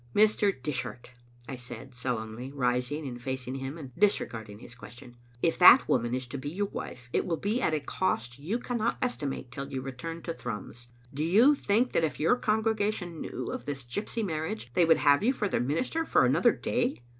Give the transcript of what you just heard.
"Mr. Dishart," I said solemnly, rising and facing him, and disregarding his question, " if that woman is to be your wife, it will be at a cost you cannot estimate till you return to Thrums. Do you think that if your congregation knew of this gypsy marriage they would have you for their minister for another day?